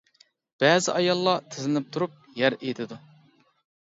بەزى ئاياللار تىزلىنىپ تۇرۇپ يەر ئېيتىدۇ.